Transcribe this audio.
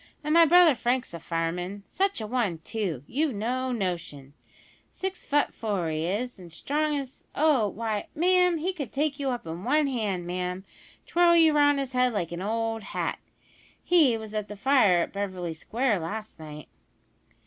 An' my brother Frank's a fireman. Such a one, too, you've no notion; six fut four he is, an' as strong as oh, why, ma'am, he could take you up in one hand, ma'am, an' twirl you round his head like an old hat! He was at the fire in Beverly Square last night."